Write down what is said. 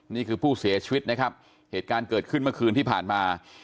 นี่คือผู้เสียชีวิตนะครับเหตุการณ์เกิดขึ้นเมื่อคืนที่ผ่านมา